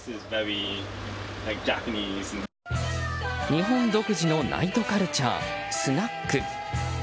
日本独自のナイトカルチャースナック。